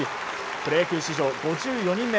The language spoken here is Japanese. プロ野球史上５４人目